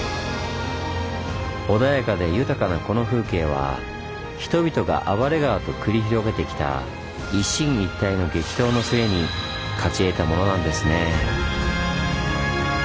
穏やかで豊かなこの風景は人々が暴れ川と繰り広げてきた一進一退の激闘の末に勝ち得たものなんですねぇ。